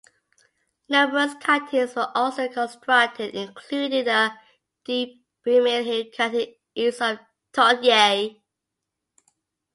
Numerous cuttings were also constructed, including the deep Windmill Hill Cutting east of Toodyay.